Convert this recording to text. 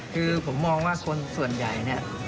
คือผมมองว่าคนส่วนใหญ่